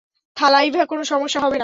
থালাইভা, কোনো সমস্য হবে না।